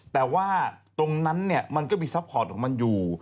แต่ว่าตรงนั้นมันก็มีซัพพอร์ตของมันอยู่